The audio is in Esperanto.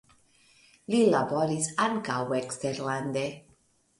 Li laboris ankaŭ eksterlande.